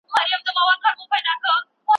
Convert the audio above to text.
موږ د ټولنیزو ستونزو د حل لارې لټوو.